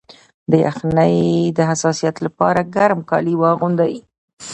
د یخنۍ د حساسیت لپاره ګرم کالي واغوندئ